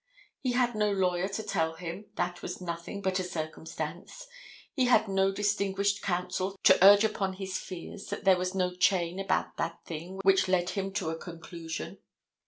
He had no lawyer to tell him that was nothing but a circumstance. He had no distinguished counsel to urge upon his fears that there was no chain about that thing which led him to a conclusion.